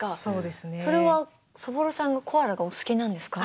それはそぼろさんがコアラがお好きなんですか？